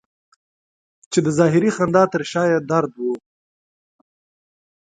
چې د ظاهري خندا تر شا یې درد و.